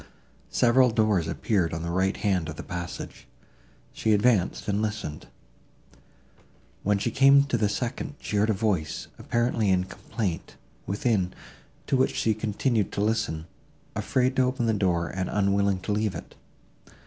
Several doors appeared on the right hand of the passage. She advanced, and listened. When she came to the second, she heard a voice, apparently in complaint, within, to which she continued to listen, afraid to open the door, and unwilling to leave it.